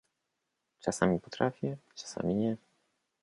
— Czasem potrafię, czasem nie…